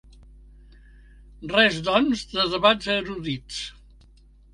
Res, doncs, de debats erudits.